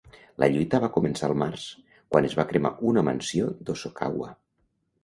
La lluita va començar al març, quan es va cremar una mansió de Hosokawa.